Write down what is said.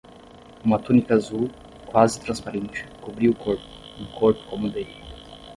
Uma túnica azul, quase transparente, cobria o corpo, um corpo como o dele.